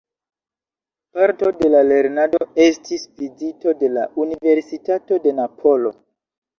Parto de la lernado estis vizito de la Universitato de Napolo.